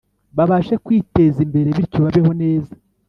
babashe kwiteza imbere, bityo babeho neza.